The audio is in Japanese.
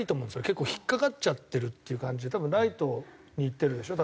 結構引っかかっちゃってるっていう感じで多分ライトに行ってるでしょ？